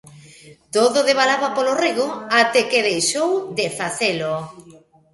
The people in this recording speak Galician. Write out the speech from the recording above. Todo devalaba polo rego até que deixou de facelo.